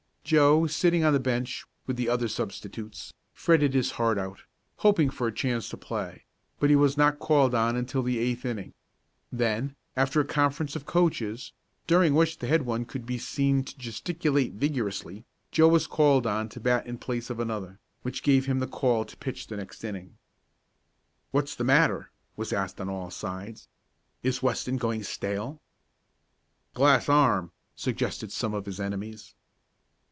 Joe, sitting on the bench, with the other substitutes, fretted his heart out, hoping for a chance to play, but he was not called on until the eighth inning. Then, after a conference of the coaches, during which the head one could be seen to gesticulate vigorously, Joe was called on to bat in place of another, which gave him the call to pitch the next inning. "What's the matter?" was asked on all sides. "Is Weston going stale?" "Glass arm," suggested some of his enemies.